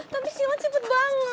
tapi silah cepet banget